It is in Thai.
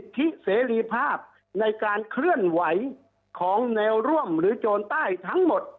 ที่เสรีภาพในการเคลื่อนไหวของแนวร่วมหรือโจรใต้ทั้งหมด